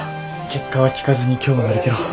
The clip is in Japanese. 結果は聞かずに今日を乗り切ろう。